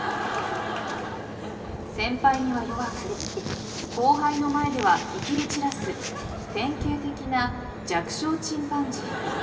先輩には弱く後輩の前ではいきり散らす典型的な弱小チンパンジー。